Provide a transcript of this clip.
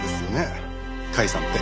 甲斐さんって。